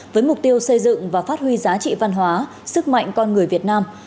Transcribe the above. với mục tiêu xây dựng và phát huy giá trị văn hóa sức mạnh con người việt nam